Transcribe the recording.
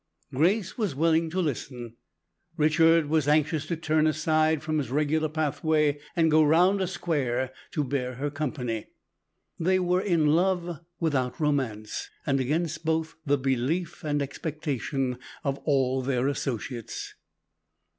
Grace was willing to listen, Richard was anxious to turn aside from his regular pathway and go round a square to bear her company. They were in love without romance, and against both the belief and expectation of all their associates.